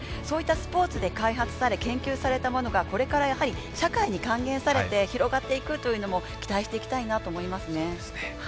そういったスポーツで開発され研究されたものがこれから社会に還元されて広がっていくということも期待していきたいなと思いますね。